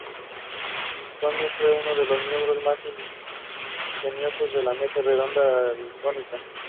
Connelly fue uno de los miembros más ingeniosos de la Mesa Redonda Algonquina.